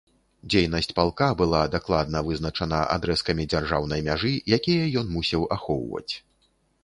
Дзейнасць палка была дакладна вызначана адрэзкамі дзяржаўнай мяжы, якія ён мусіў ахоўваць.